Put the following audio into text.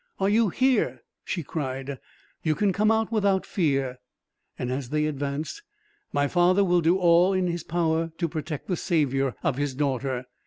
"Are you here?" she cried. "You can come out without fear." And, as they advanced, "My father will do all in his power to protect the savior of his daughter."